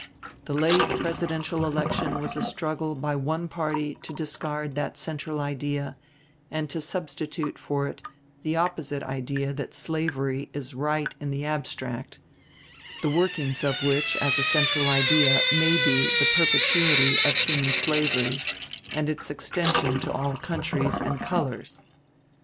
The late presidential election was a struggle by one party to discard that central idea and to substitute for it the opposite idea that slavery is right in the abstract, the workings of which as a central idea may be the perpetuity of human slavery and its extension to all countries and colors.